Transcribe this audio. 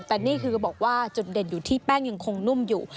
แต่นี่คือบอกว่าจุดเด่นอยู่ที่แป้งยังคงนุ่มอยู่